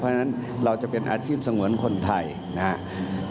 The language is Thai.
เพราะฉะนั้นเราจะเป็นอาชีพสงวนคนไทยนะครับ